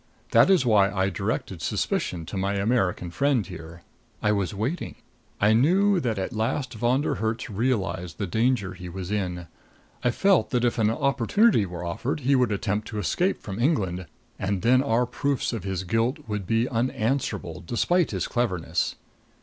That is why I directed suspicion to my American friend here. I was waiting. I knew that at last Von der Herts realized the danger he was in. I felt that if opportunity were offered he would attempt to escape from England; and then our proofs of his guilt would be unanswerable, despite his cleverness.